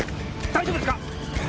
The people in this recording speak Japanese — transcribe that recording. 大丈夫ですか！？